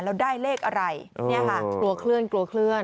แล้วได้เลขอะไรเนี่ยค่ะกลัวเคลื่อนกลัวเคลื่อน